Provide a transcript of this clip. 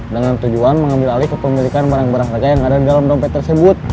dengan tujuan mengambil alih kepemilikan barang barang harga yang ada di dalam dompet tersebut